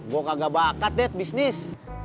gue kagak bakat deh bisnis